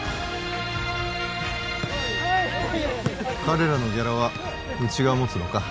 彼らのギャラはうちがもつのか？